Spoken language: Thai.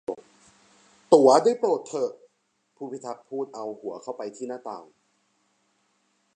'ตั๋วได้โปรดเถอะ !' ผู้พิทักษ์พูดเอาหัวเข้าไปที่หน้าต่าง